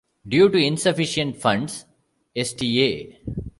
Due to insufficient funds, Sta.